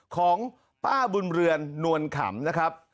ของป้าบุญเรือนนวลขำนะครับ